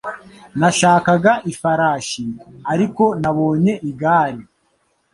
Nashakaga ifarashi, ariko nabonye igare